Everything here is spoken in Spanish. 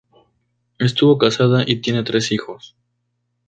Estuvo casada y tiene tres hijos.